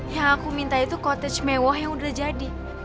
yang aku minta itu coutage mewah yang udah jadi